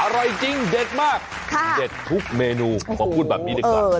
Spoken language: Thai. อร่อยจริงเด็ดมากเด็ดทุกเมนูขอพูดแบบนี้ดีกว่า